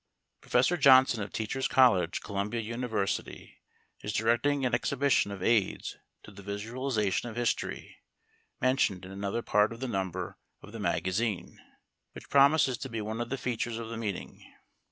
Prof. Johnson, of Teachers' College, Columbia University, is directing an exhibition of aids to the visualization of history, mentioned in another part of this number of the MAGAZINE which promises to be one of the features of the meeting.